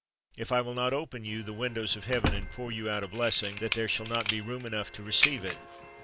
if I will not open you the windows of heaven, and pour you out a blessing, that there shall not be room enough to receive it.